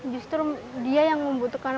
justru dia yang membutuhkan